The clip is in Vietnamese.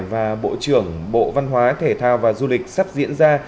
và bộ trưởng bộ văn hóa thể thao và du lịch sắp diễn ra